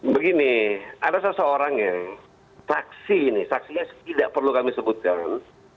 begini ada seseorang yang saksi ini saksinya tidak perlu kami sebutkan